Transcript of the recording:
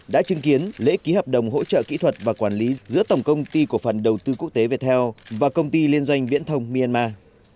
đã chứng kiến lễ ký hợp đồng hỗ trợ kỹ thuật và quản lý giữa tổng công ty cổ phần đầu tư quốc tế việt theo và công ty liên doanh viễn thông myanmar